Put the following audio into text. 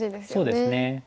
そうですね。